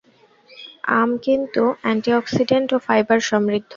আম কিন্তু অ্যান্টিঅক্সিডেন্ট ও ফাইবার সমৃদ্ধ।